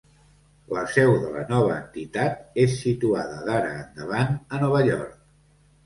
La seu de la nova entitat és situada d'ara endavant a Nova York.